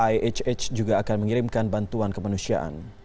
ihh juga akan mengirimkan bantuan kemanusiaan